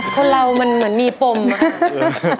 คนเรามันเหมือนมีปมอ่ะ